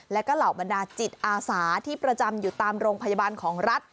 และก็เหล่าบรรดาจิตอาสาที่ประจำอยู่ตามโรงพยาบาลของรัฐ